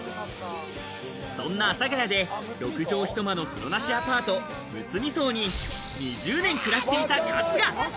そんな阿佐ヶ谷で六畳ひと間の風呂なしアパート、むつみ荘に２０年暮らしていた春日。